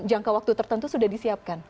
jangka waktu tertentu sudah disiapkan